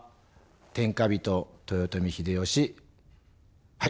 天下人、豊臣秀吉はい！